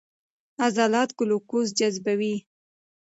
عضلات ګلوکوز جذبوي.